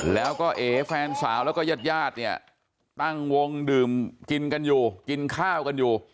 แล้วก็เอแฟนสาวแล้วก็ญาติญาติเนี่ยตั้งวงดื่มกินกันอยู่กินข้าวกันอยู่